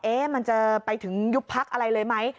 มันจะไปถึงยุบพักอะไรเลยไหม